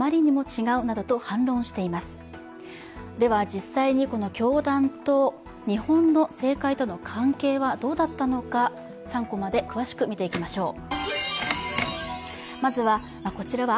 実際にこの教団と日本の政界との関係はどうだったのか、３コマで詳しく見ていきましょう。